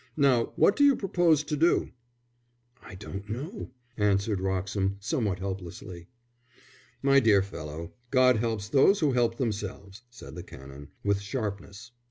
"Now what do you propose to do?" "I don't know," answered Wroxham, somewhat helplessly. "My dear fellow, God helps those who help themselves," said the Canon, with sharpness.